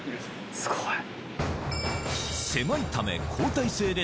すごい。